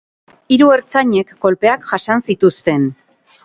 Hiru ertzainek kolpeak jasan zituzten.